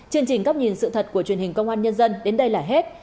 chương trình góc nhìn sự thật của truyền hình công an nhân dân đến đây là hết